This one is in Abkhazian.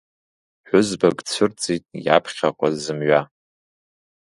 Ԥҳәызбак дцәырҵит иаԥхьаҟа зымҩа…